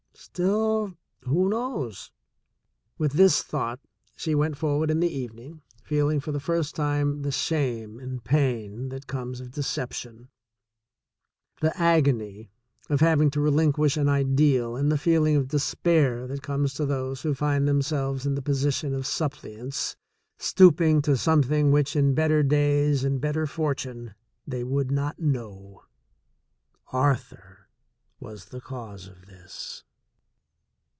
Still, who knows? With this thought, she went forward in the evening, feeling for the first time the shame and pain that comes of deception, the agony of having to re linquish an ideal and the feeling of despair that comes to those who find themselves in the position of sup pliants, stooping to something which in better days and better fortune they would not know. Arthur was the cause of this.